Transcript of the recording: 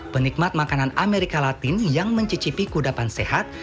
penikmat makanan amerika latin yang mencicipi kudapan sehat